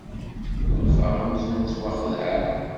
Ḥulfaɣ amzun ttwaxedɛeɣ.